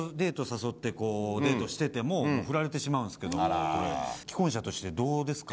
誘ってこうデートしててもフラれてしまうんですけどもあら既婚者としてどうですか？